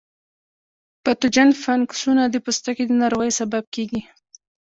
پتوجن فنګسونه د پوستکي د ناروغیو سبب کیږي.